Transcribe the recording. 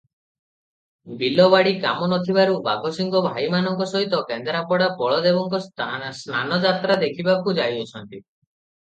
ବିଲବାଡ଼ି କାମ ନ ଥିବାରୁ ବାଘସିଂହ ଭାଇମାନଙ୍କ ସହିତ କେନ୍ଦ୍ରାପଡ଼ା ବଳଦେବଙ୍କ ସ୍ନାନ ଯାତ୍ରା ଦେଖିବାକୁ ଯାଇଅଛନ୍ତି ।